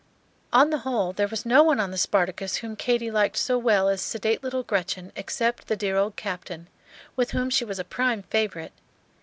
On the whole, there was no one on the "Spartacus" whom Katy liked so well as sedate little Gretchen except the dear old Captain, with whom she was a prime favorite.